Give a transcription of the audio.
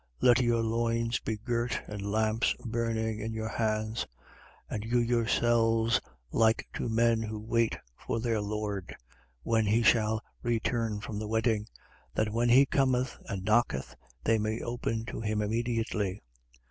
12:35. Let your loins be girt and lamps burning in your hands. 12:36. And you yourselves like to men who wait for their lord, when he shall return from the wedding; that when he cometh and knocketh, they may open to him immediately.